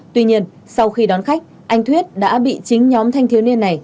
tuy nhiên sau khi đón khách anh thuyết đã bị chính nhóm thanh thiếu niên này